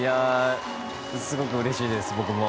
すごくうれしいです僕も。